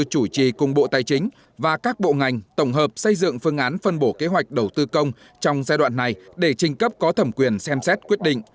chủ trì cùng bộ tài chính và các bộ ngành tổng hợp xây dựng phương án phân bổ kế hoạch đầu tư công trong giai đoạn này để trình cấp có thẩm quyền xem xét quyết định